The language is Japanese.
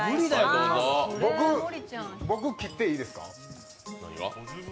僕、切っていいですか？